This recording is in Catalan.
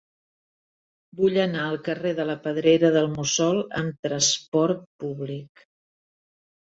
Vull anar al carrer de la Pedrera del Mussol amb trasport públic.